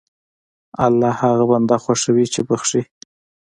الله هغه بنده خوښوي چې بخښي.